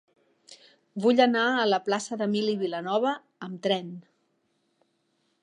Vull anar a la plaça d'Emili Vilanova amb tren.